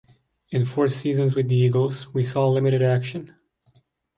In four seasons with the Eagles, he saw limited action.